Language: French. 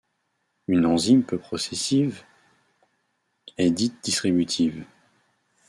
Une enzyme peu processive est dite distributive.